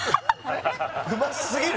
うますぎる？